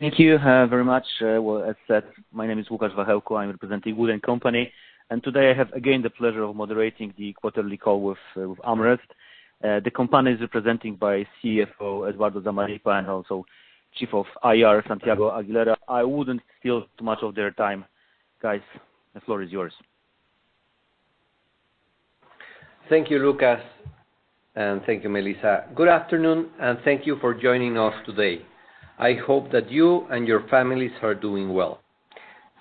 Thank you, very much. Well, as said, my name is Łukasz Wachelko. I'm representing Wood & Company. Today, I have again the pleasure of moderating the quarterly call with AmRest. The company is represented by CFO Eduardo Zamarripa, and also Chief of IR Santiago Aguilera. I wouldn't steal too much of their time. Guys, the floor is yours. Thank you, Lukasz, and thank you, Melissa. Good afternoon, and thank you for joining us today. I hope that you and your families are doing well.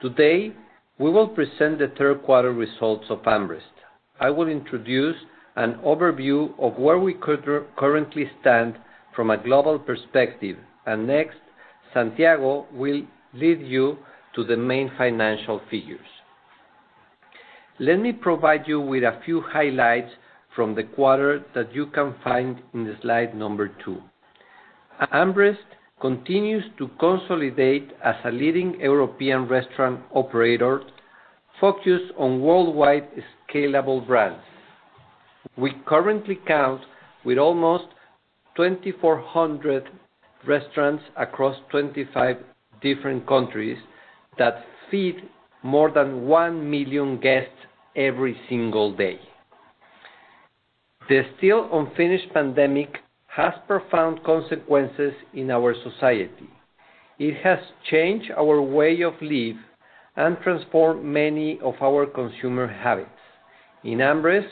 Today, we will present the third quarter results of AmRest. I will introduce an overview of where we currently stand from a global perspective. Next, Santiago will lead you to the main financial figures. Let me provide you with a few highlights from the quarter that you can find in the slide number 2. AmRest continues to consolidate as a leading European restaurant operator focused on worldwide scalable brands. We currently count with almost 2,400 restaurants across 25 different countries that feed more than 1 million guests every single day. The still unfinished pandemic has profound consequences in our society. It has changed our way of life and transformed many of our consumer habits. In AmRest,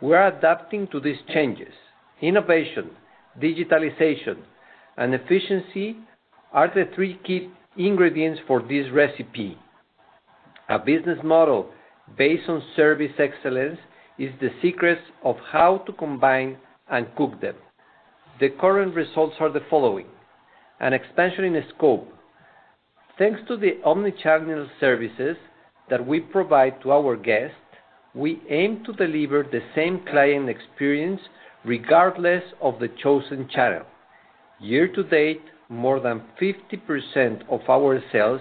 we are adapting to these changes. Innovation, digitalization, and efficiency are the three key ingredients for this recipe. A business model based on service excellence is the secret of how to combine and cook them. The current results are the following: An expansion in scope. Thanks to the omnichannel services that we provide to our guests, we aim to deliver the same client experience regardless of the chosen channel. Year to date, more than 50% of our sales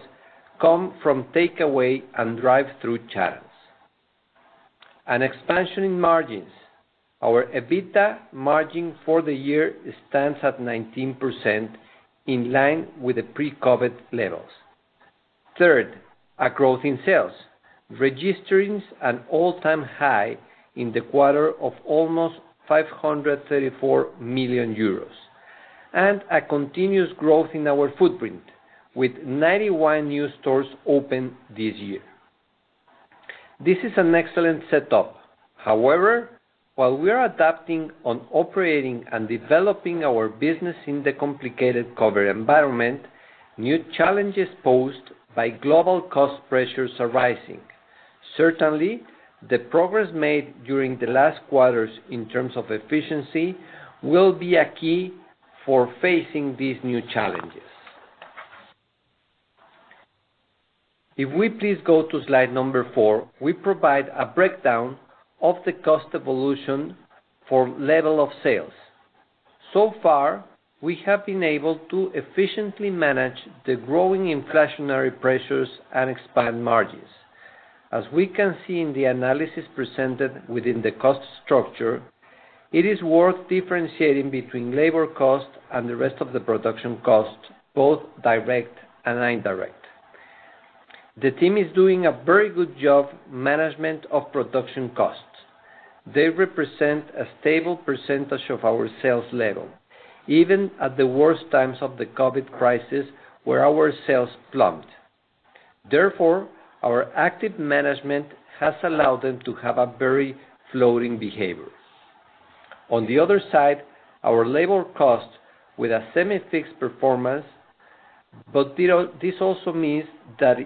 come from takeaway and drive-thru channels. An expansion in margins. Our EBITDA margin for the year stands at 19% in line with the pre-COVID levels. Third, a growth in sales, registering an all-time high in the quarter of almost 534 million euros, and a continuous growth in our footprint, with 91 new stores opened this year. This is an excellent setup. However, while we are adapting on operating and developing our business in the complicated COVID environment, new challenges posed by global cost pressures are rising. Certainly, the progress made during the last quarters in terms of efficiency will be a key for facing these new challenges. If we please go to slide number 4, we provide a breakdown of the cost evolution for level of sales. So far, we have been able to efficiently manage the growing inflationary pressures and expand margins. As we can see in the analysis presented within the cost structure, it is worth differentiating between labor cost and the rest of the production cost, both direct and indirect. The team is doing a very good job management of production costs. They represent a stable percentage of our sales level, even at the worst times of the COVID crisis, where our sales plummeted. Therefore, our active management has allowed them to have a very floating behavior. On the other side, our labor cost with a semi-fixed performance, this also means that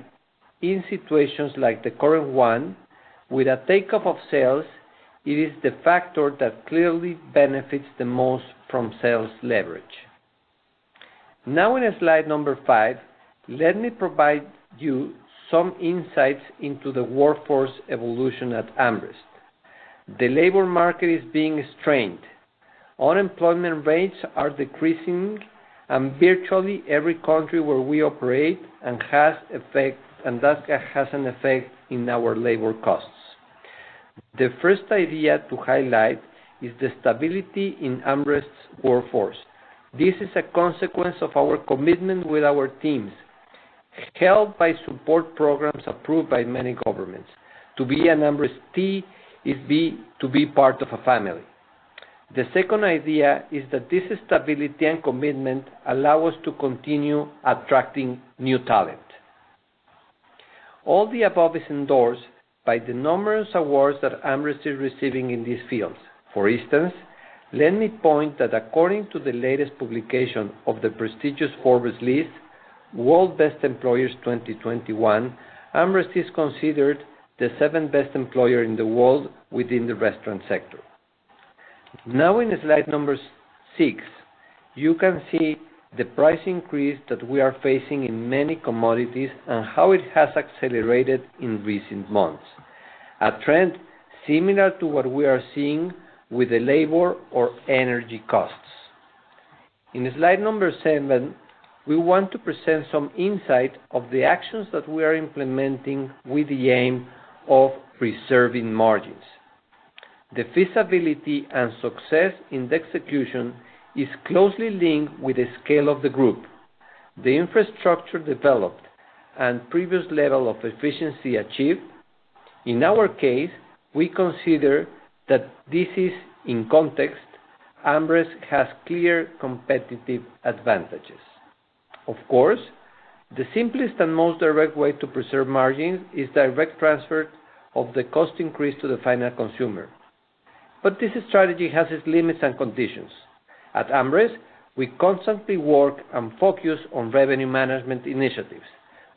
in situations like the current one, with a takeoff of sales, it is the factor that clearly benefits the most from sales leverage. Now, in slide number five, let me provide you some insights into the workforce evolution at AmRest. The labor market is being strained. Unemployment rates are decreasing in virtually every country where we operate and that has an effect in our labor costs. The first idea to highlight is the stability in AmRest's workforce. This is a consequence of our commitment with our teams, helped by support programs approved by many governments. To be an AmRestee is to be part of a family. The second idea is that this stability and commitment allow us to continue attracting new talent. All the above is endorsed by the numerous awards that AmRest is receiving in these fields. For instance, let me point out that according to the latest publication of the prestigious Forbes list, World's Best Employers 2021, AmRest is considered the seventh best employer in the world within the restaurant sector. Now, in slide number six, you can see the price increase that we are facing in many commodities and how it has accelerated in recent months. A trend similar to what we are seeing with the labor or energy costs. In slide number seven, we want to present some insight of the actions that we are implementing with the aim of preserving margins. The feasibility and success in the execution is closely linked with the scale of the group. The infrastructure developed and previous level of efficiency achieved. In our case, we consider that this is in context, AmRest has clear competitive advantages. Of course, the simplest and most direct way to preserve margins is direct transfer of the cost increase to the final consumer. This strategy has its limits and conditions. At AmRest, we constantly work and focus on revenue management initiatives.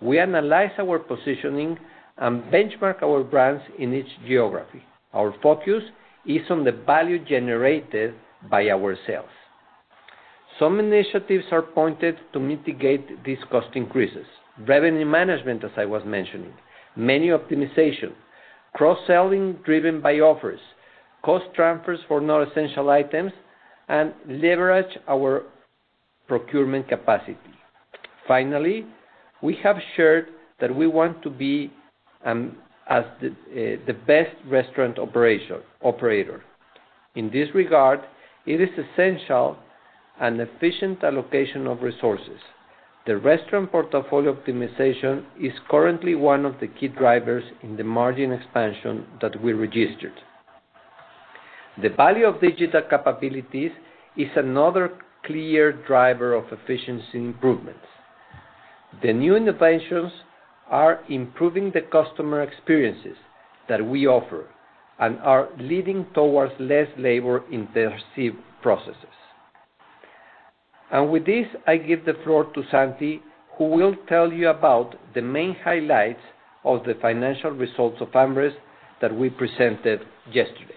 We analyze our positioning and benchmark our brands in each geography. Our focus is on the value generated by our sales. Some initiatives are pointed to mitigate these cost increases. Revenue management, as I was mentioning, menu optimization, cross-selling driven by offers, cost transfers for non-essential items, and leverage our procurement capacity. Finally, we have shared that we want to be as the best restaurant operator. In this regard, it is essential an efficient allocation of resources. The restaurant portfolio optimization is currently one of the key drivers in the margin expansion that we registered. The value of digital capabilities is another clear driver of efficiency improvements. The new innovations are improving the customer experiences that we offer and are leading towards less labor-intensive processes. With this, I give the floor to Santi, who will tell you about the main highlights of the financial results of AmRest that we presented yesterday.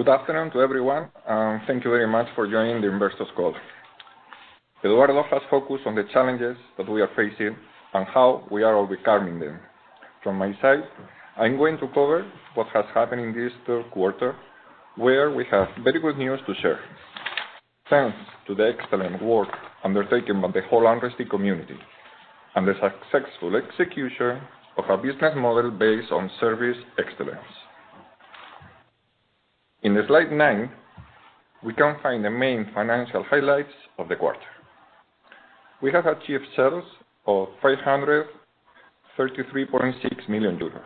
Good afternoon to everyone, and thank you very much for joining the Investors Call. Eduardo has focused on the challenges that we are facing and how we are overcoming them. From my side, I'm going to cover what has happened in this third quarter, where we have very good news to share. Thanks to the excellent work undertaken by the whole AmRest community and the successful execution of our business model based on service excellence. In the slide 9, we can find the main financial highlights of the quarter. We have achieved sales of 533.6 million euros,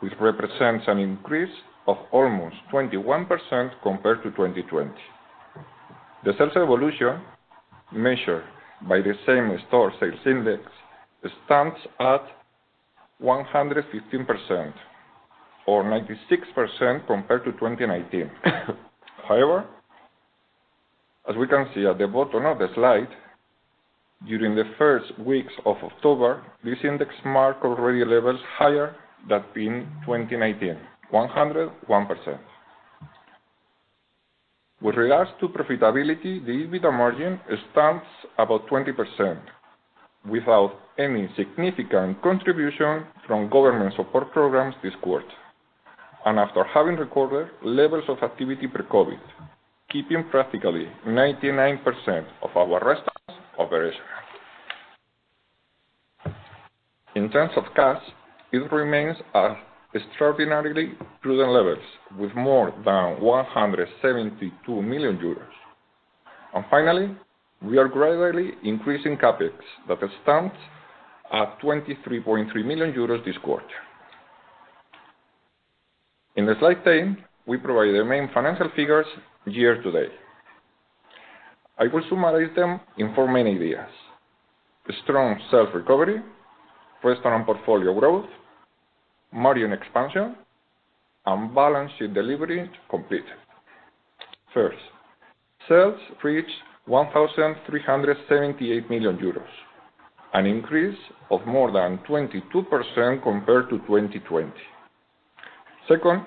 which represents an increase of almost 21% compared to 2020. The sales evolution, measured by the same-store sales index, stands at 115%, or 96% compared to 2019. However, as we can see at the bottom of the slide, during the first weeks of October, this index mark already levels higher than in 2019, 101%. With regards to profitability, the EBITDA margin stands about 20% without any significant contribution from government support programs this quarter, after having recorded levels of activity pre-COVID, keeping practically 99% of our restaurants operational. In terms of cash, it remains at extraordinarily prudent levels, with more than 172 million euros. Finally, we are gradually increasing CapEx that stands at EUR 23.3 million this quarter. In slide 10, we provide the main financial figures year to date. I will summarize them in four main ideas, strong sales recovery, restaurant portfolio growth, margin expansion, and balance sheet delivery completed. First, sales reached 1,378 million euros, an increase of more than 22% compared to 2020. Second,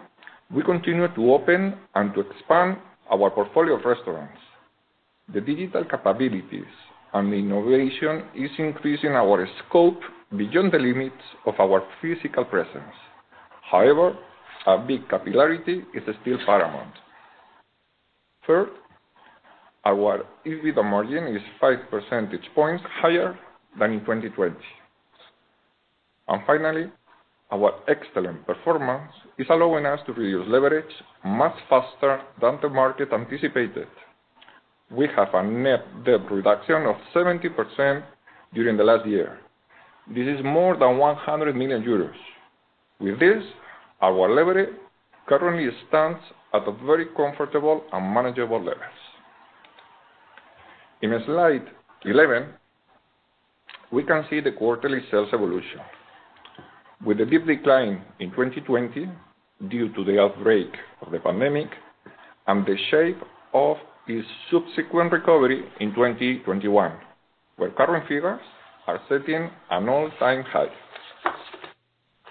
we continue to open and to expand our portfolio of restaurants. The digital capabilities and the innovation is increasing our scope beyond the limits of our physical presence. However, our big capillarity is still paramount. Third, our EBITDA margin is five percentage points higher than in 2020. Finally, our excellent performance is allowing us to reduce leverage much faster than the market anticipated. We have a net debt reduction of 70% during the last year. This is more than 100 million euros. With this, our leverage currently stands at a very comfortable and manageable levels. In slide 11, we can see the quarterly sales evolution with the deep decline in 2020 due to the outbreak of the pandemic and the shape of its subsequent recovery in 2021, where current figures are setting an all-time high.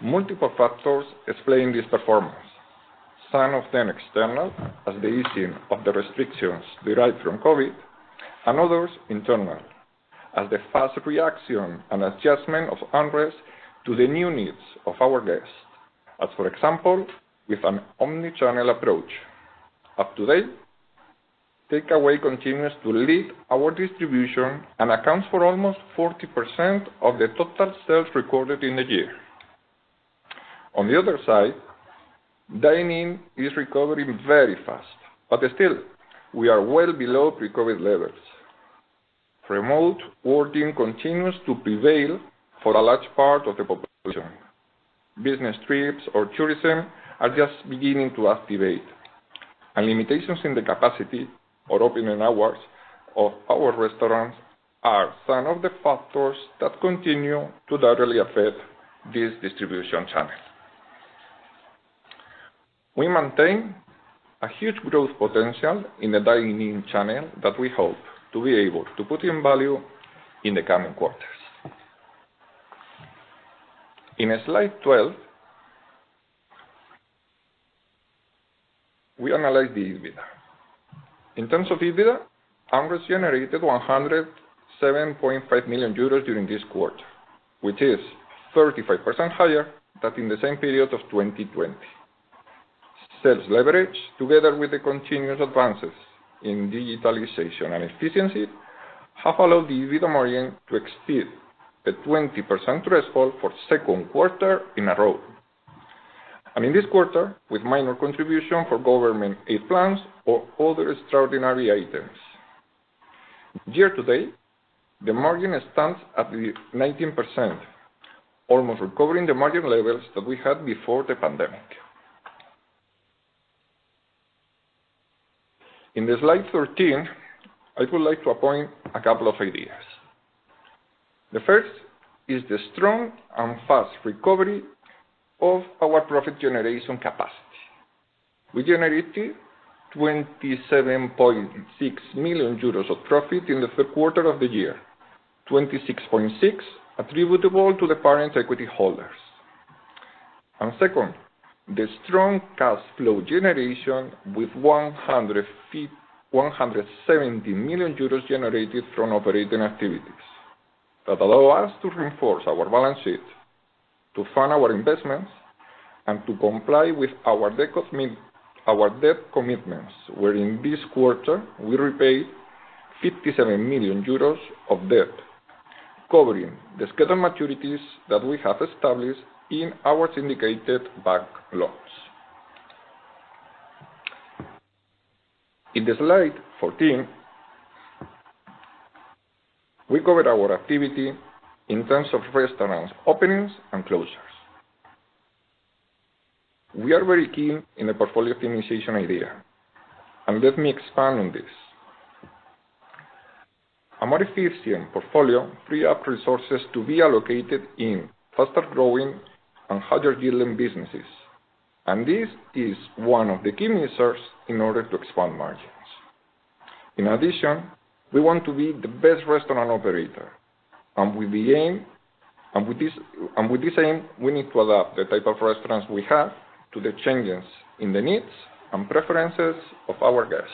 Multiple factors explain this performance. Some of them external, as the easing of the restrictions derived from COVID, and others internal, as the fast reaction and adjustment of AmRest to the new needs of our guests. As, for example, with an omnichannel approach. Up to date, takeaway continues to lead our distribution and accounts for almost 40% of the total sales recorded in the year. On the other side, dine-in is recovering very fast, but still, we are well below pre-COVID levels. Remote working continues to prevail for a large part of the population. Business trips or tourism are just beginning to activate. Limitations in the capacity or opening hours of our restaurants are some of the factors that continue to directly affect this distribution channel. We maintain a huge growth potential in the dine-in channel that we hope to be able to put in value in the coming quarters. In slide 12, we analyze the EBITDA. In terms of EBITDA, AmRest generated 107.5 million euros during this quarter, which is 35% higher than in the same period of 2020. Sales leverage, together with the continuous advances in digitalization and efficiency, have allowed the EBITDA margin to exceed the 20% threshold for second quarter in a row. In this quarter, with minor contribution from government aid plans or other extraordinary items. Year-to-date, the margin stands at 19%, almost recovering the margin levels that we had before the pandemic. In slide 13, I would like to point out a couple of ideas. The first is the strong and fast recovery of our profit generation capacity. We generated 27.6 million euros of profit in the third quarter of the year, 26.6 attributable to the parent equity holders. Second, the strong cash flow generation with 170 million euros generated from operating activities that allow us to reinforce our balance sheet, to fund our investments, and to comply with our debt commitments, where in this quarter, we repaid 57 million euros of debt, covering the scheduled maturities that we have established in our syndicated bank loans. In slide 14, we cover our activity in terms of restaurants openings and closures. We are very keen on the portfolio optimization idea, and let me expand on this. A more efficient portfolio frees up resources to be allocated in faster-growing and higher-yielding businesses, and this is one of the key measures in order to expand margins. In addition, we want to be the best restaurant operator. With this aim, we need to adapt the type of restaurants we have to the changes in the needs and preferences of our guests.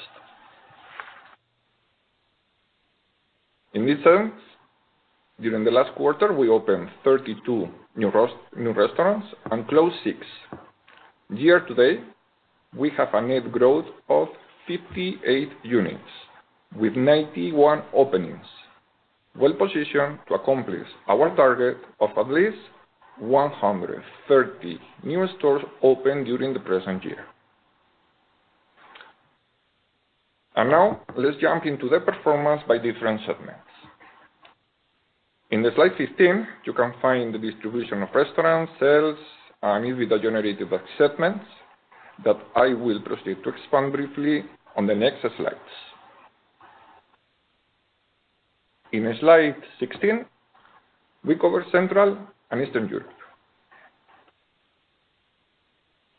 In this sense, during the last quarter, we opened 32 new restaurants and closed six. Year-to-date, we have a net growth of 58 units with 91 openings, well-positioned to accomplish our target of at least 130 new stores open during the present year. Now, let's jump into the performance by different segments. In slide 15, you can find the distribution of restaurant sales and EBITDA generated by segments that I will proceed to expand briefly on the next slides. In slide 16, we cover Central and Eastern Europe.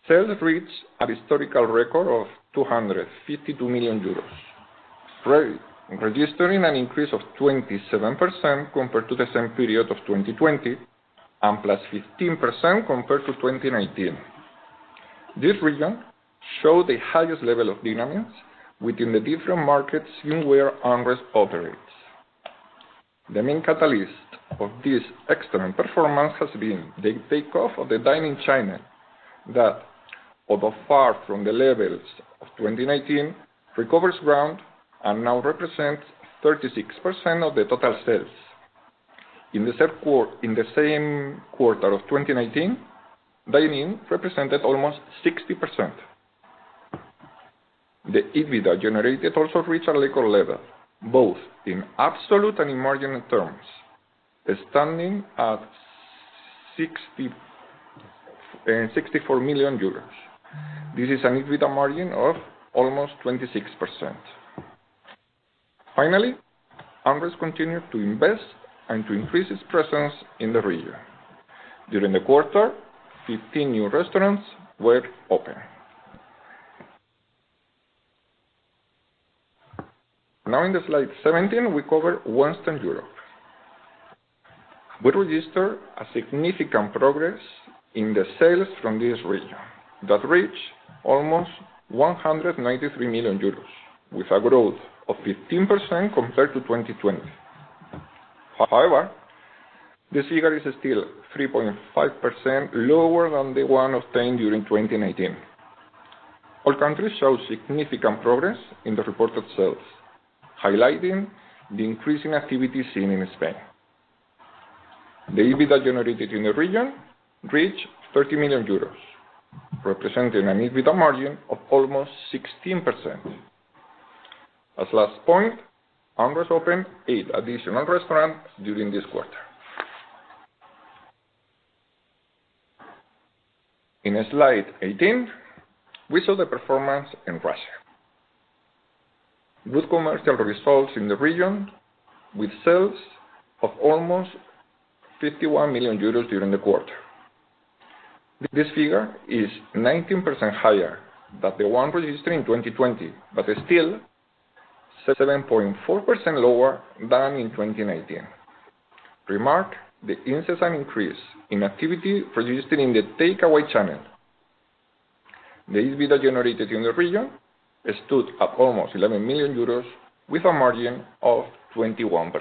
Sales reached a historical record of 252 million euros, registering an increase of 27% compared to the same period of 2020 and +15% compared to 2019. This region shows the highest level of dynamics within the different markets in which AmRest operates. The main catalyst of this excellent performance has been the takeoff of the dine-in chain that, although far from the levels of 2019, recovers ground and now represents 36% of the total sales. In the same quarter of 2019, dine-in represented almost 60%. The EBITDA generated also reached a record level, both in absolute and in margin terms, standing at 64 million euros. This is an EBITDA margin of almost 26%. Finally, AmRest continued to invest and to increase its presence in the region. During the quarter, 15 new restaurants were opened. Now, in the slide 17, we cover Western Europe. We registered a significant progress in the sales from this region that reached almost 193 million euros with a growth of 15% compared to 2020. However, this figure is still 3.5% lower than the one obtained during 2019. All countries show significant progress in the reported sales, highlighting the increase in activity seen in Spain. The EBITDA generated in the region reached 30 million euros, representing an EBITDA margin of almost 16%. As last point, AmRest opened 8 additional restaurants during this quarter. In slide 18, we saw the performance in Russia. Good commercial results in the region with sales of almost 51 million euros during the quarter. This figure is 19% higher than the one registered in 2020, but is still 7.4% lower than in 2019. Remark the incessant increase in activity produced in the takeaway channel. The EBITDA generated in the region stood at almost 11 million euros with a margin of 21%.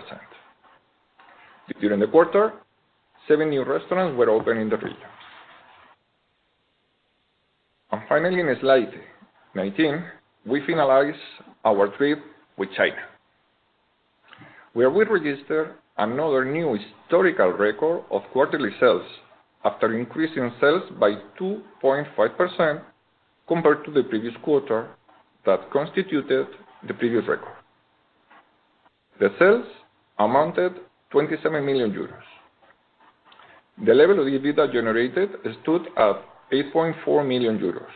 During the quarter, 7 new restaurants were opened in the region. Finally, in slide 19, we finalize our trip with China, where we registered another new historical record of quarterly sales after increasing sales by 2.5% compared to the previous quarter that constituted the previous record. The sales amounted to 27 million euros. The level of EBITDA generated stood at 8.4 million euros,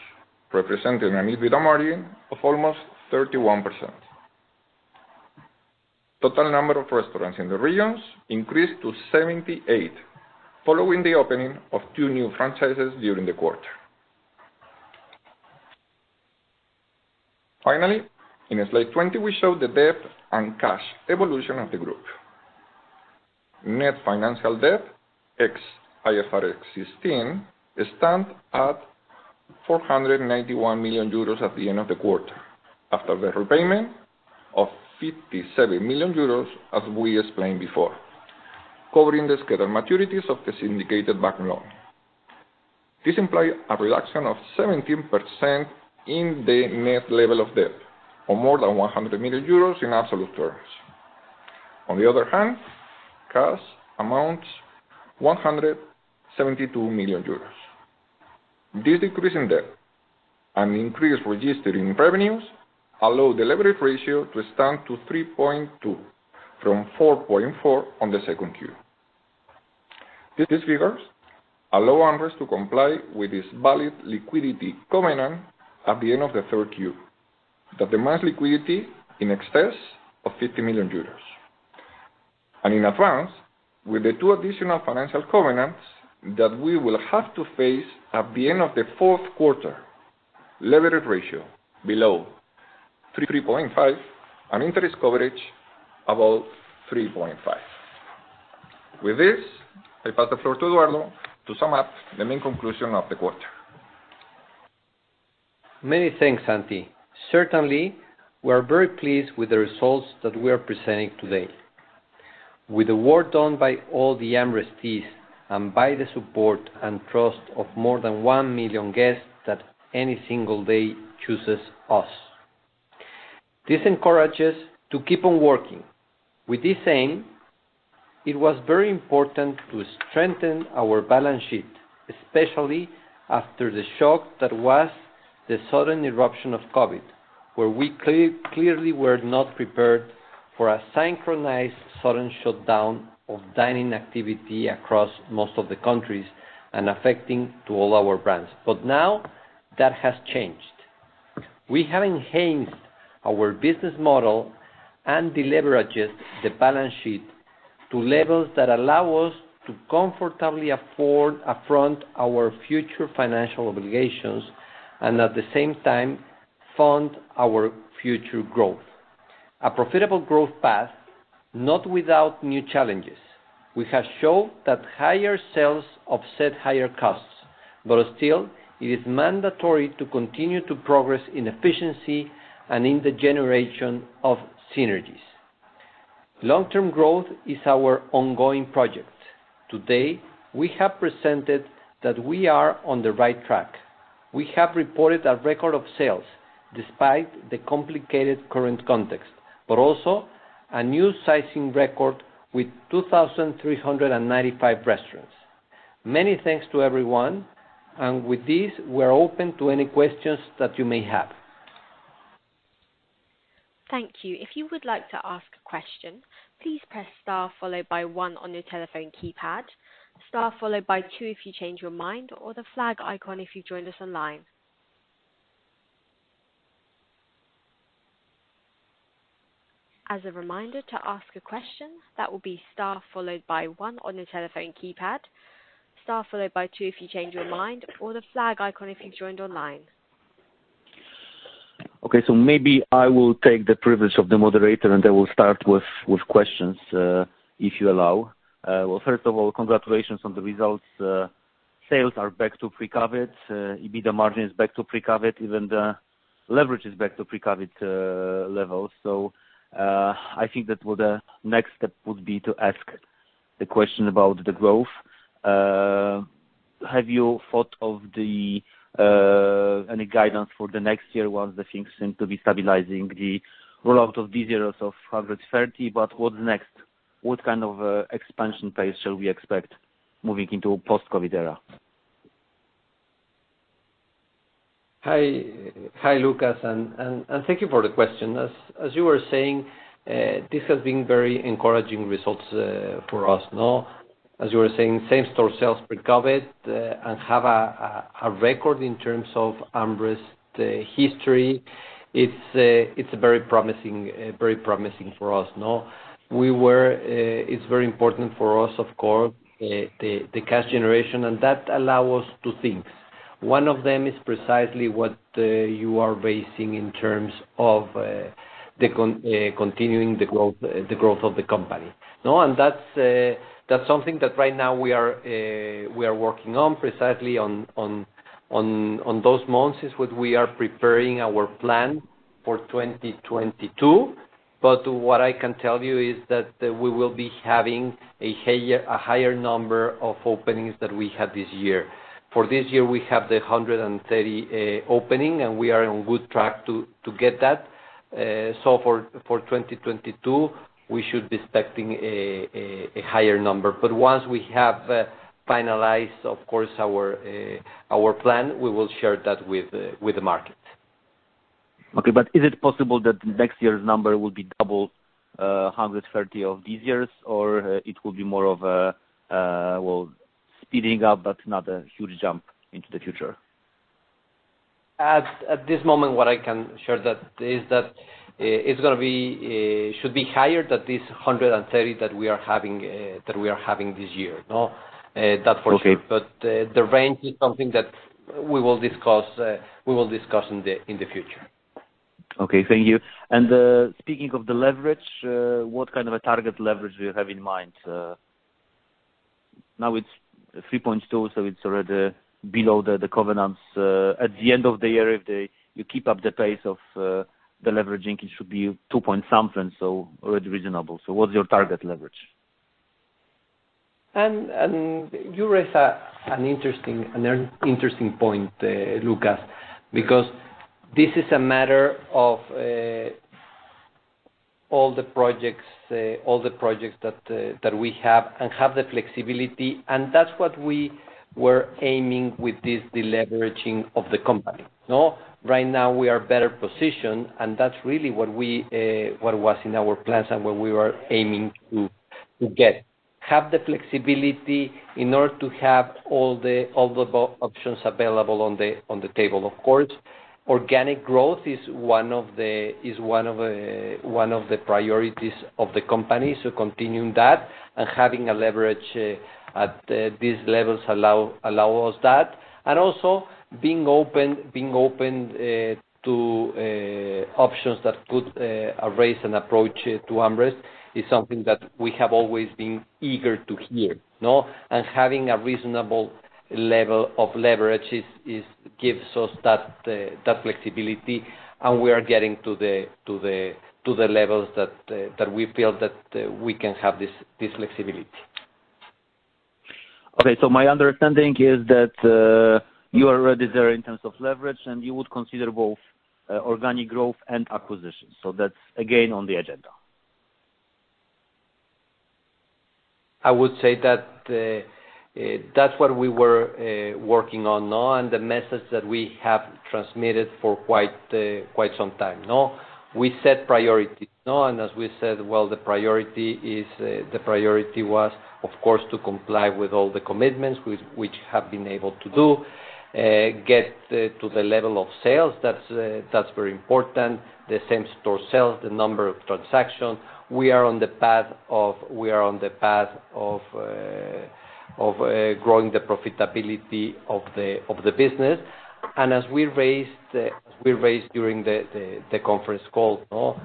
representing an EBITDA margin of almost 31%. Total number of restaurants in the regions increased to 78, following the opening of two new franchises during the quarter. Finally, in slide 20, we show the debt and cash evolution of the group. Net financial debt, ex IFRS 16, stand at 491 million euros at the end of the quarter, after the repayment of 57 million euros, as we explained before, covering the scheduled maturities of the syndicated bank loan. This imply a reduction of 17% in the net level of debt, or more than 100 million euros in absolute terms. On the other hand, cash amounts 172 million euros. This decrease in debt and increase registered in revenues allow the leverage ratio to stand at 3.2 from 4.4 in Q2. These figures allow AmRest to comply with its valid liquidity covenant at the end of Q3, that demands liquidity in excess of 50 million euros. In advance, with the two additional financial covenants that we will have to face at the end of the fourth quarter, leverage ratio below 3.5 and interest coverage above 3.5. With this, I pass the floor to Eduardo to sum up the main conclusion of the quarter. Many thanks, Santi. Certainly, we are very pleased with the results that we are presenting today. With the work done by all the AmRestees and by the support and trust of more than 1 million guests that any single day chooses us. This encourages to keep on working. With this aim, it was very important to strengthen our balance sheet, especially after the shock that was the sudden eruption of COVID, where we clearly were not prepared for a synchronized sudden shutdown of dining activity across most of the countries and affecting to all our brands. Now that has changed. We have enhanced our business model and deleveraged the balance sheet to levels that allow us to comfortably afford our future financial obligations and at the same time fund our future growth. A profitable growth path, not without new challenges. We have shown that higher sales offset higher costs, but still, it is mandatory to continue to progress in efficiency and in the generation of synergies. Long-term growth is our ongoing project. Today, we have presented that we are on the right track. We have reported a record of sales despite the complicated current context, but also a new sizing record with 2,395 restaurants. Many thanks to everyone, and with this, we're open to any questions that you may have. Thank you. If you would like to ask a question, please press star followed by one on your telephone keypad, star followed by two if you change your mind or the flag icon if you've joined us online. As a reminder, to ask a question, that will be star followed by one on your telephone keypad, star followed by two if you change your mind, or the flag icon if you've joined online. Okay, maybe I will take the privilege of the moderator, and I will start with questions, if you allow. Well, first of all, congratulations on the results. Sales are back to pre-COVID. EBITDA margin is back to pre-COVID. Even the leverage is back to pre-COVID levels. I think that what the next step would be to ask the question about the growth. Have you thought of any guidance for the next year once the things seem to be stabilizing the rollout of these years of 130, but what's next? What kind of expansion phase shall we expect moving into post-COVID era? Hi, Lukasz, and thank you for the question. As you were saying, this has been very encouraging results for us, no? As you were saying, same-store sales pre-COVID and have a record in terms of AmRest history. It's very promising for us, no? It's very important for us, of course, the cash generation, and that allow us to think. One of them is precisely what you are raising in terms of the continuing the growth of the company. That's something that right now we are working on precisely on those months is what we are preparing our plan for 2022. What I can tell you is that we will be having a higher number of openings than we had this year. For this year, we have 130 openings, and we are on good track to get that. For 2022, we should be expecting a higher number. Once we have finalized, of course, our plan, we will share that with the market. Okay, is it possible that next year's number will be double 130 of these years? It will be more of a well, speeding up but not a huge jump into the future? At this moment, what I can share that is that it's gonna be should be higher than this 130 that we are having this year, no? That for sure. Okay. The range is something that we will discuss in the future. Okay, thank you. Speaking of the leverage, what kind of a target leverage do you have in mind? Now it's 3.2, so it's already below the covenants. At the end of the year, if you keep up the pace of the leveraging, it should be 2.something, so already reasonable. What's your target leverage? You raise an interesting point, Lucas. This is a matter of all the projects that we have and have the flexibility, and that's what we were aiming with this deleveraging of the company. No? Right now we are better positioned, and that's really what was in our plans and what we were aiming to get. Have the flexibility in order to have all the options available on the table. Of course, organic growth is one of the priorities of the company, so continuing that and having a leverage at these levels allows us that. Also being open to options that could arise, an approach to AmRest is something that we have always been eager to hear, no? Having a reasonable level of leverage it gives us that flexibility, and we are getting to the levels that we feel that we can have this flexibility. Okay, my understanding is that you are already there in terms of leverage, and you would consider both organic growth and acquisition. That's again on the agenda. I would say that that's what we were working on, no? The message that we have transmitted for quite some time, no? We set priorities, no? As we said, well, the priority was, of course, to comply with all the commitments which we have been able to get to the level of sales. That's very important, the same-store sales, the number of transactions. We are on the path of growing the profitability of the business. As we raised during the conference call, no?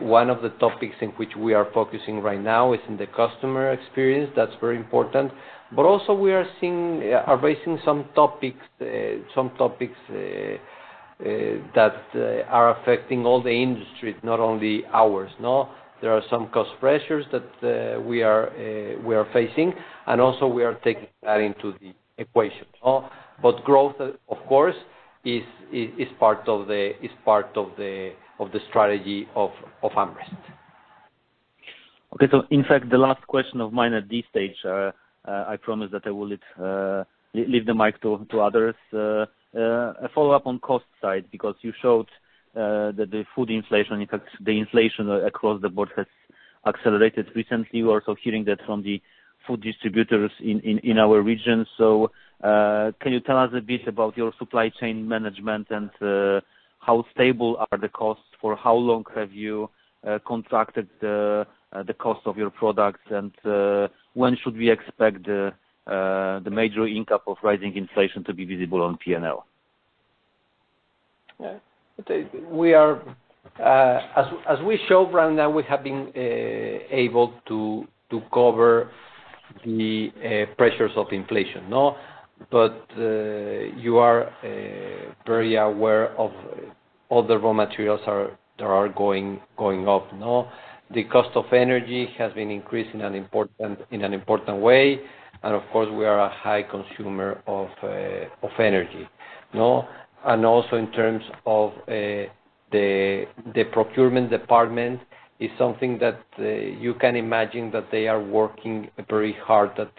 One of the topics in which we are focusing right now is in the customer experience. That's very important. Also we are seeing. are raising some topics that are affecting all the industries, not only ours, no? There are some cost pressures that we are facing, and also we are taking that into the equation, no? Growth, of course, is part of the strategy of AmRest. Okay, in fact, the last question of mine at this stage, I promise that I will leave the mic to others. A follow-up on cost side, because you showed that the food inflation, in fact, the inflation across the board has accelerated recently. We're also hearing that from the food distributors in our region. Can you tell us a bit about your supply chain management and how stable are the costs? For how long have you contracted the cost of your products? When should we expect the major kick up of rising inflation to be visible on P&L? Yeah. We are, as we show right now, we have been able to cover the pressures of inflation. No? You are very aware of all the raw materials that are going up, no? The cost of energy has been increasing in an important way, and of course we are a high consumer of energy. No? In terms of the procurement department, something that you can imagine they are working very hard at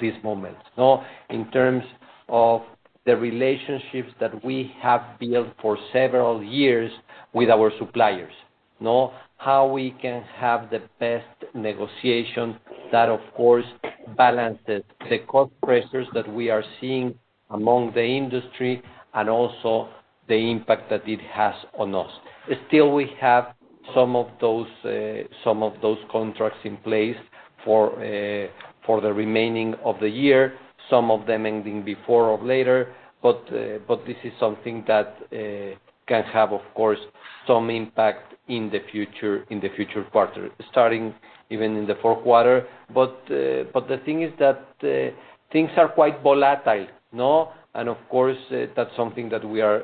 this moment. No? In terms of the relationships that we have built for several years with our suppliers, no? How we can have the best negotiation that of course balances the cost pressures that we are seeing in the industry and also the impact that it has on us. Still we have some of those contracts in place for the remaining of the year, some of them ending before or later, but this is something that can have of course some impact in the future quarter, starting even in the fourth quarter. The thing is that things are quite volatile. No? And of course, that's something that we are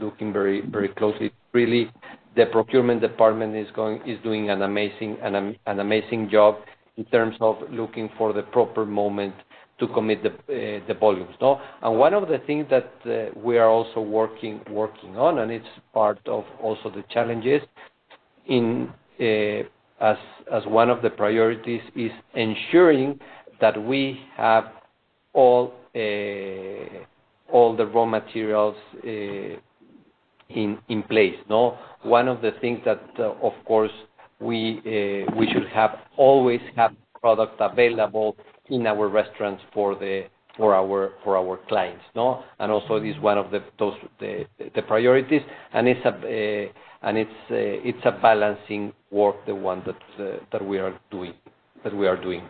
looking very closely. Really, the procurement department is doing an amazing job in terms of looking for the proper moment to commit the volumes. No? And one of the things that we are also working on, and it's part of also the challenges in... As one of the priorities is ensuring that we have all the raw materials in place. No? One of the things that, of course, we should always have products available in our restaurants for our clients. No? Also is one of those, the priorities, and it's a balancing work, the one that we are doing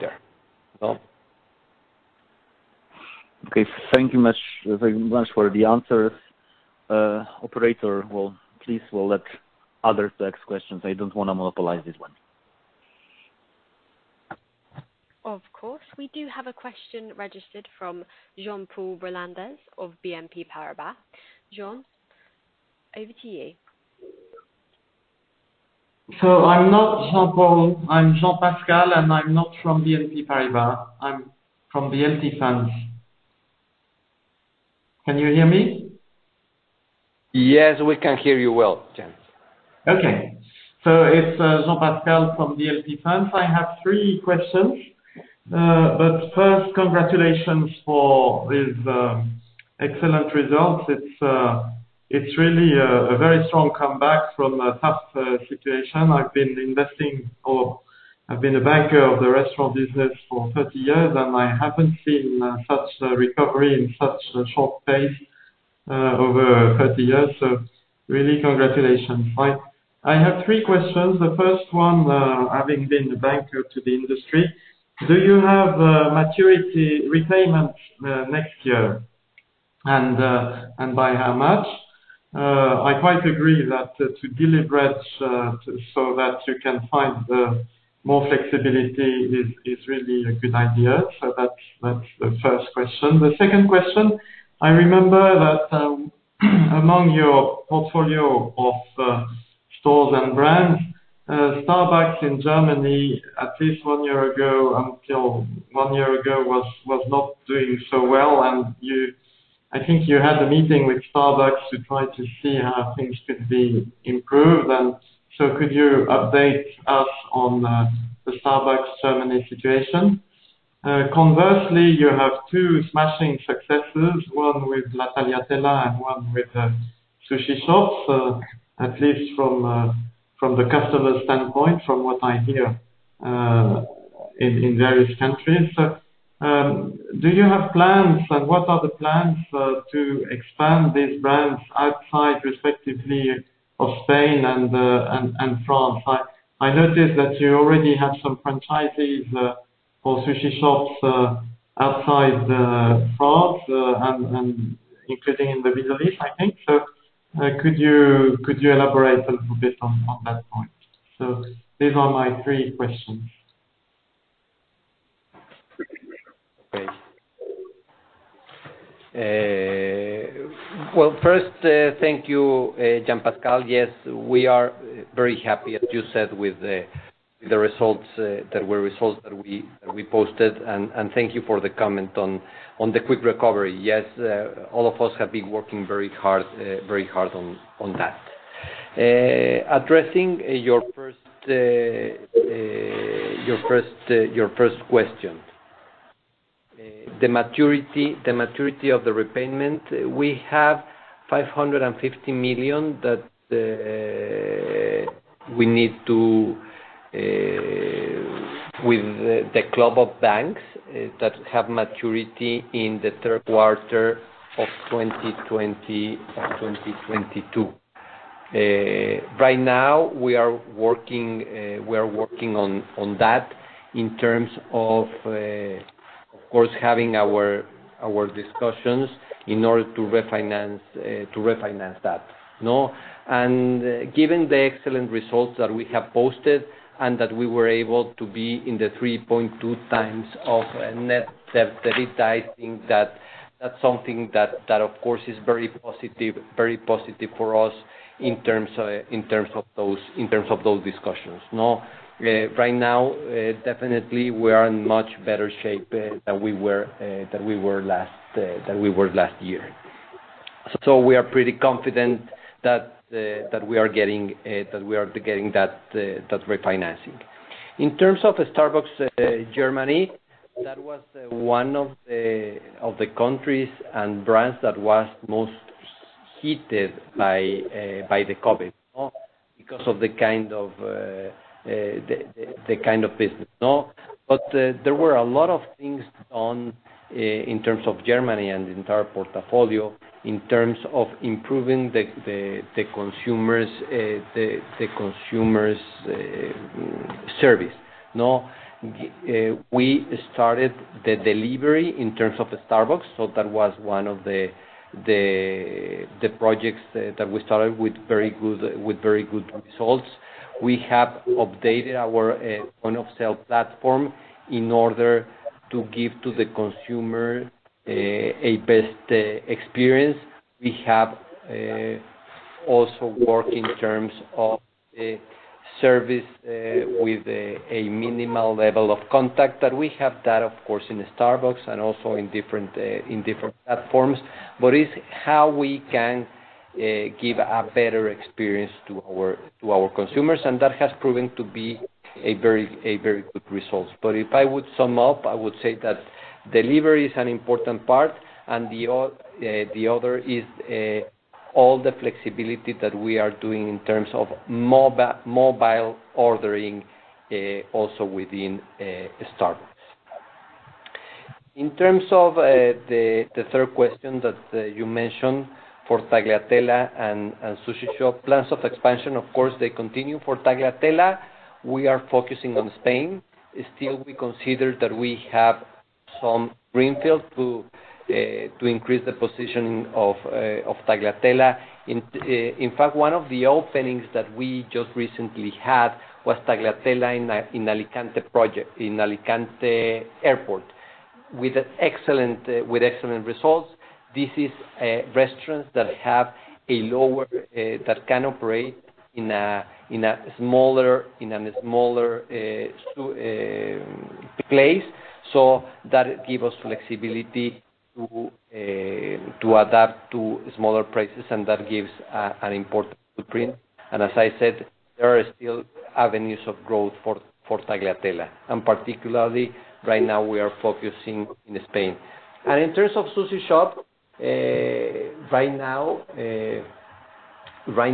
there. No? Okay. Thank you much for the answers. Operator, well, please we'll let others ask questions. I don't wanna monopolize this one. Of course. We do have a question registered from Jean-Pascal Rolandez of BNP Paribas. Jean, over to you. I'm not Jean-Paul. I'm Jean-Pascal, and I'm not from BNP Paribas. I'm from The LT Funds. Can you hear me? Yes, we can hear you well, Jean. Okay. It's Jean-Pascal Rolandez from The LT Funds. I have three questions. First, congratulations for these excellent results. It's really a very strong comeback from a tough situation. I've been a banker of the restaurant business for 30 years, and I haven't seen such a recovery in such a short phase over 30 years. Really, congratulations. I have three questions. The first one, having been the banker to the industry, do you have a maturity repayment next year, and by how much? I quite agree that to deleverage so that you can find more flexibility is really a good idea. That's the first question. The second question, I remember that among your portfolio of stores and brands, Starbucks in Germany, at least one year ago until one year ago was not doing so well, and I think you had a meeting with Starbucks to try to see how things could be improved. Could you update us on the Starbucks Germany situation? Conversely, you have two smashing successes, one with La Tagliatella and one with Sushi Shop, at least from the customer standpoint, from what I hear, in various countries. Do you have plans, and what are the plans to expand these brands outside respectively of Spain and France? I noticed that you already have some franchises for Sushi Shops outside France and including in the Middle East, I think. Could you elaborate a little bit on that point? These are my three questions. Okay. Well, first, thank you, Jean-Pascal. Yes, we are very happy, as you said, with the results that we posted. Thank you for the comment on the quick recovery. Yes, all of us have been working very hard on that. Addressing your first question. The maturity of the repayment, we have 550 million that we need to with the club of banks that have maturity in the third quarter of 2022. Right now we are working on that in terms of course, having our discussions in order to refinance that, no? Given the excellent results that we have posted and that we were able to be in the 3.2 times of net debt, I think that that's something that of course is very positive for us in terms of those discussions, no? Right now, definitely we are in much better shape than we were last year. So we are pretty confident that we are getting that refinancing. In terms of Starbucks Germany, that was one of the countries and brands that was most hit by the COVID, no? Because of the kind of business, no? There were a lot of things done in terms of Germany and the entire portfolio in terms of improving the consumers' service, no? We started the delivery in terms of Starbucks, so that was one of the projects that we started with very good results. We have updated our point of sale platform in order to give to the consumer a best experience. We have also work in terms of service with a minimal level of contact. We have that of course in Starbucks and also in different platforms. It's how we can give a better experience to our consumers, and that has proven to be a very good results. If I would sum up, I would say that delivery is an important part, and the other is all the flexibility that we are doing in terms of mobile ordering, also within Starbucks. In terms of the third question that you mentioned for Tagliatella and Sushi Shop, plans of expansion, of course they continue. For Tagliatella, we are focusing on Spain. Still we consider that we have some greenfield to increase the positioning of Tagliatella. In fact, one of the openings that we just recently had was Tagliatella in Alicante Airport with excellent results. This is restaurants that have a lower that can operate in a smaller place, so that give us flexibility to adapt to smaller prices, and that gives an important footprint. As I said, there are still avenues of growth for Tagliatella, and particularly right now we are focusing in Spain. In terms of Sushi Shop, right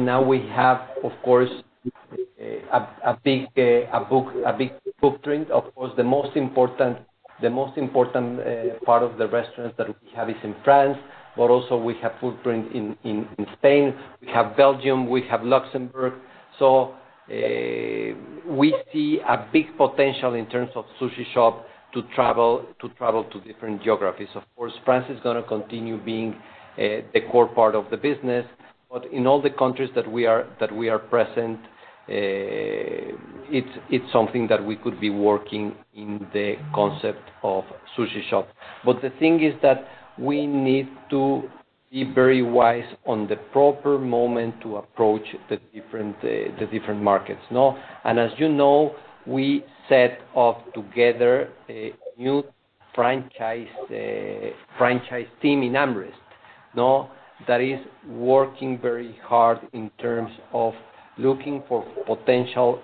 now we have, of course, a big footprint. Of course, the most important part of the restaurants that we have is in France, but also we have footprint in Spain, we have Belgium, we have Luxembourg. We see a big potential in terms of Sushi Shop to travel to different geographies. Of course, France is gonna continue being the core part of the business. In all the countries that we are present, it's something that we could be working in the concept of Sushi Shop. The thing is that we need to be very wise on the proper moment to approach the different markets, no? As you know, we set up together a new franchise team in AmRest, no? That is working very hard in terms of looking for potential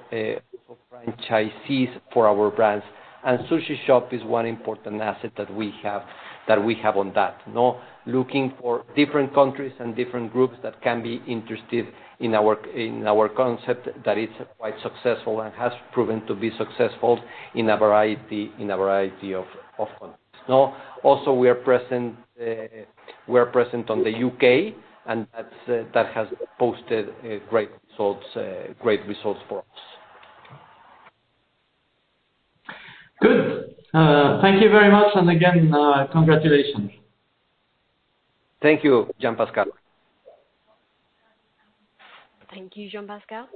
franchisees for our brands, and Sushi Shop is one important asset that we have on that, no? Looking for different countries and different groups that can be interested in our concept that is quite successful and has proven to be successful in a variety of countries, no? Also, we are present on the U.K., and that has posted great results for us. Good. Thank you very much, and again, congratulations. Thank you, Jean-Pascal. Thank you, Jean-Pascal.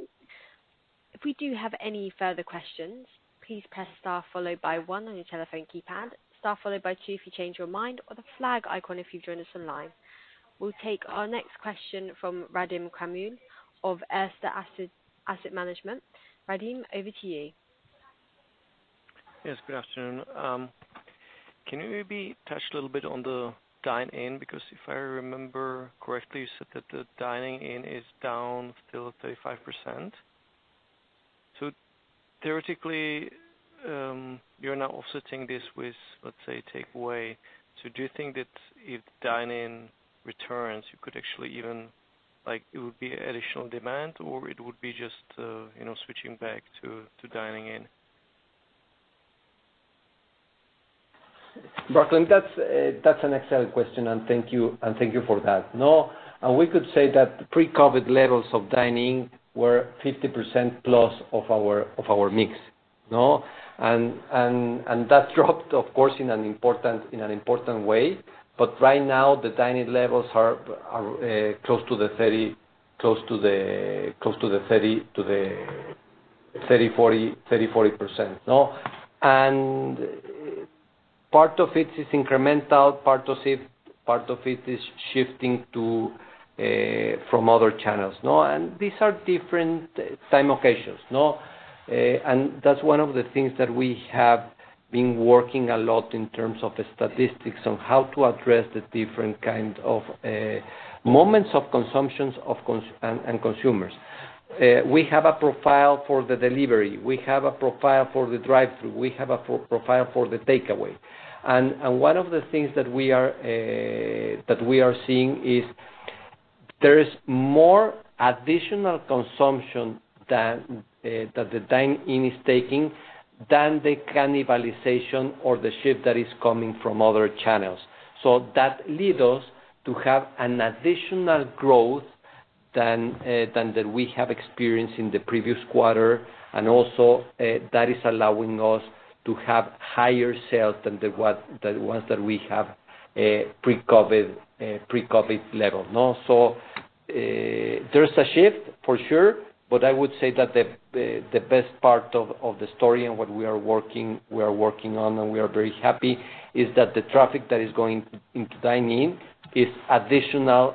If you do have any further questions, please press star followed by one on your telephone keypad, star followed by two if you change your mind, or the flag icon if you've joined us online. We'll take our next question from Radim Kramule of Erste Asset Management. Radim, over to you. Yes, good afternoon. Can you maybe touch a little bit on the dine-in? If I remember correctly, you said that the dining in is down still 35%. Theoretically, you're now offsetting this with, let's say, takeaway. Do you think that if dine-in returns, you could actually even like it would be additional demand, or it would be just you know switching back to dining in? Radim Kramule, that's an excellent question, and thank you for that. We could say that pre-COVID levels of dine-in were 50% plus of our mix. That dropped, of course, in an important way. Right now the dine-in levels are close to the 30-40%, no? Part of it is incremental, part of it is shifting from other channels, no? These are different time occasions, no? That's one of the things that we have been working a lot in terms of the statistics on how to address the different kind of moments of consumption of consumers. We have a profile for the delivery, we have a profile for the drive-through, we have a profile for the takeaway. One of the things that we are seeing is there is more additional consumption than that the dine-in is taking than the cannibalization or the shift that is coming from other channels. That lead us to have an additional growth than that we have experienced in the previous quarter, and also that is allowing us to have higher sales than the ones that we have pre-COVID level, no? There's a shift for sure, but I would say that the best part of the story and what we are working on and we are very happy is that the traffic that is going into dine-in is additional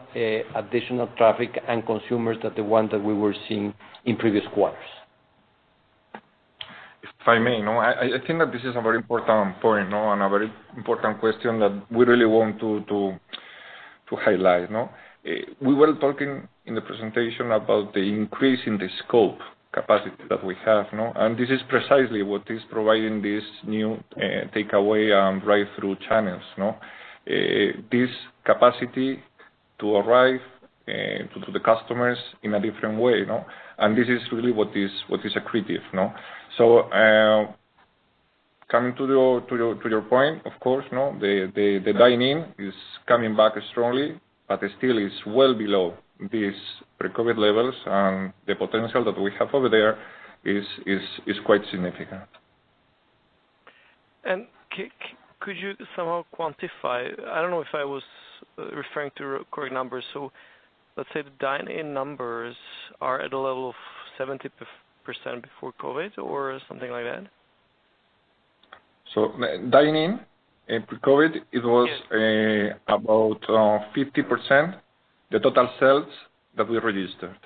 traffic and consumers than the one that we were seeing in previous quarters. If I may, no? I think that this is a very important point, no? And a very important question that we really want to highlight, no? We were talking in the presentation about the increase in the scope capacity that we have, no? And this is precisely what is providing these new takeaway and drive-through channels, no? This capacity to arrive to the customers in a different way, no? And this is really what is accretive, no? So, coming to your point, of course, no, the dine-in is coming back strongly, but it still is well below these pre-COVID levels, and the potential that we have over there is quite significant. Could you somehow quantify? I don't know if I was referring to the correct numbers. Let's say the dine-in numbers are at a level of 70% before COVID or something like that. Dine-in in pre-COVID, it was about 50% the total sales that we registered.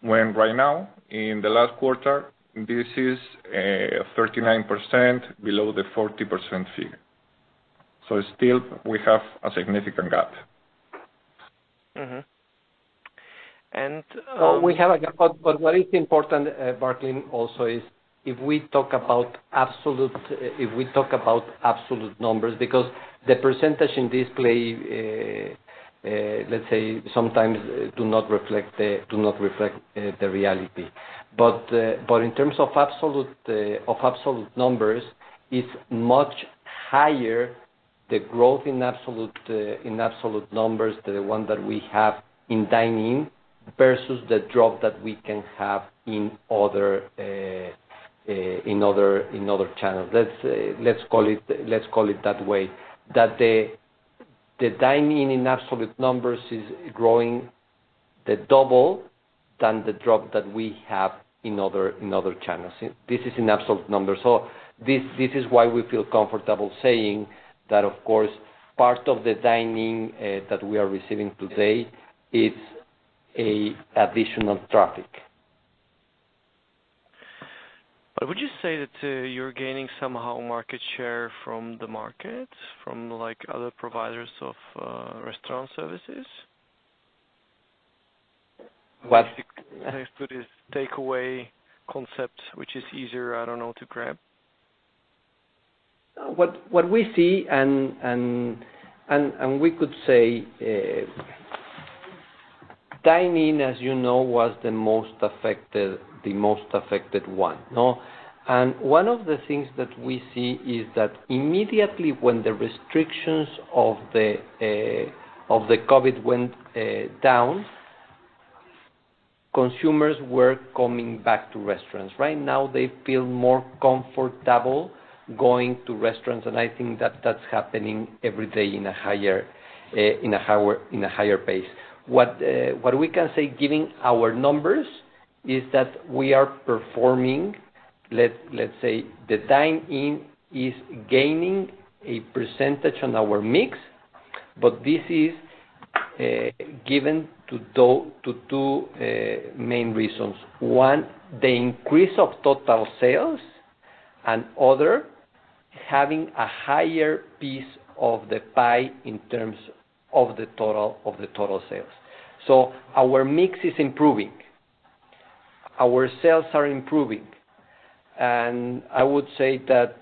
When right now, in the last quarter, this is 39% below the 40% figure. Still we have a significant gap. Mm-hmm. We have a gap, but what is important, Radim Kramule, also is if we talk about absolute numbers, because the percentage in display, let's say sometimes do not reflect the reality. But in terms of absolute numbers, it's much higher the growth in absolute numbers, the one that we have in dine-in versus the drop that we can have in other channels. Let's call it that way. That the dine-in in absolute numbers is growing the double than the drop that we have in other channels. This is in absolute numbers. This is why we feel comfortable saying that of course, part of the dine-in that we are receiving today is an additional traffic. Would you say that you're gaining somehow market share from the market, from like other providers of restaurant services? What- With this takeaway concept, which is easier, I don't know, to grab. What we see and we could say, dine-in, as you know, was the most affected one, no? One of the things that we see is that immediately when the restrictions of the COVID went down, consumers were coming back to restaurants. Right now they feel more comfortable going to restaurants, and I think that that's happening every day in a higher pace. What we can say, given our numbers, is that we are performing. Let's say the dine-in is gaining a percentage on our mix, but this is given to two main reasons. One, the increase of total sales, and other, having a higher piece of the pie in terms of the total sales. So our mix is improving. Our sales are improving. I would say that,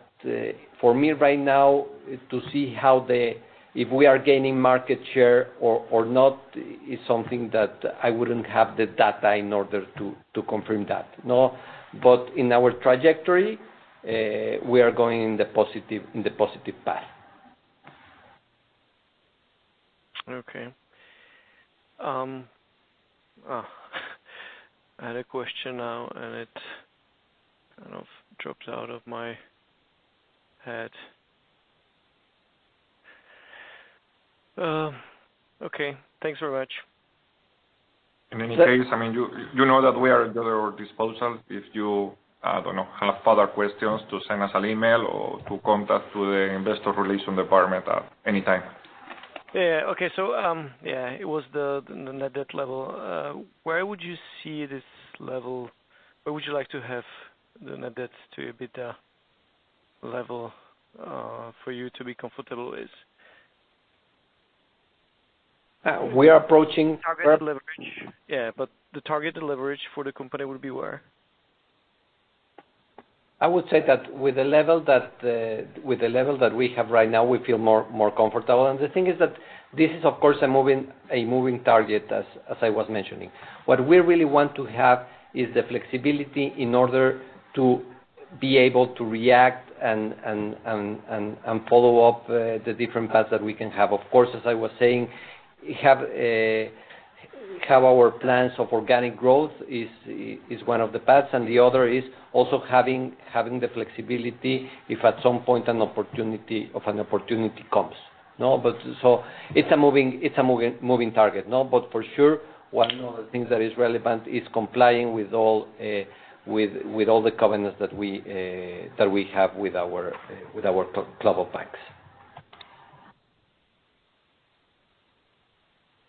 for me right now if we are gaining market share or not is something that I wouldn't have the data in order to confirm that, no? In our trajectory, we are going in the positive path. Okay. I had a question now, and it kind of dropped out of my head. Okay. Thanks very much. In any case, I mean, you know that we are at your disposal if you, I don't know, have further questions to send us an email or to contact the Investor Relations department at any time. Yeah. Okay. yeah, it was the net debt level. Where would you see this level? Where would you like to have the net debt to EBITDA level, for you to be comfortable with? We are approaching. Target leverage. Yeah, the targeted leverage for the company would be where? I would say that with the level that we have right now, we feel more comfortable. The thing is that this is of course a moving target, as I was mentioning. What we really want to have is the flexibility in order to be able to react and follow up the different paths that we can have. Of course, as I was saying, have our plans of organic growth is one of the paths, and the other is also having the flexibility if at some point an opportunity comes. No, but so it's a moving target, no? For sure, one of the things that is relevant is complying with all the covenants that we have with our club of banks.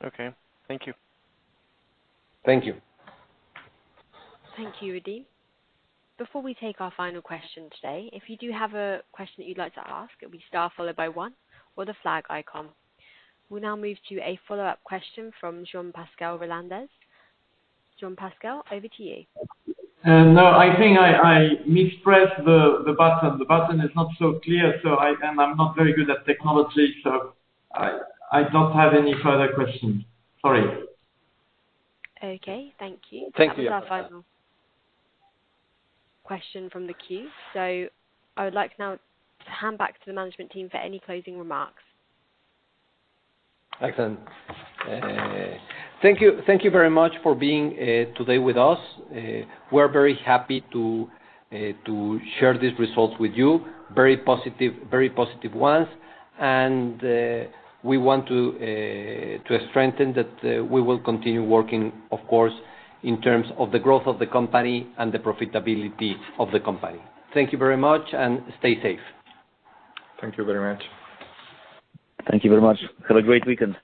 Okay. Thank you. Thank you. Thank you, Radim. Before we take our final question today, if you do have a question that you'd like to ask, it'll be star followed by one or the flag icon. We'll now move to a follow-up question from Jean-Pascal Rollandez. Jean-Pascal, over to you. No. I think I mispressed the button. The button is not so clear, so I don't have any further questions. Sorry. Okay. Thank you. Thank you. That was our final question from the queue. I would like now to hand back to the management team for any closing remarks. Excellent. Thank you very much for being today with us. We're very happy to share these results with you. Very positive ones. We want to strengthen that we will continue working, of course, in terms of the growth of the company and the profitability of the company. Thank you very much, and stay safe. Thank you very much. Have a great weekend.